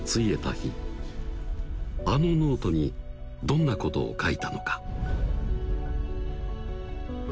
日あのノートにどんなことを書いたのか